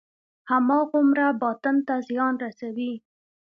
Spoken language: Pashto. هماغومره باطن ته زیان رسوي.